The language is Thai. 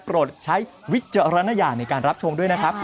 ใช้วิจารณญาณในการรับชมด้วยนะครับ